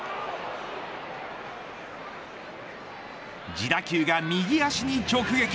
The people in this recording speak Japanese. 自打球が右足に直撃。